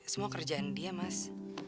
semua kerjaan dia mas